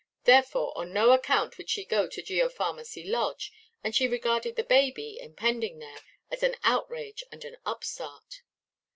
Therefore, on no account would she go to Geopharmacy Lodge, and she regarded the baby, impending there, as an outrage and an upstart.